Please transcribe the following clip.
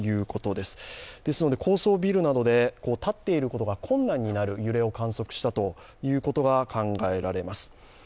ですので、高層ビルなどで立っていることなどが困難になる揺れを観測したということが考えられます。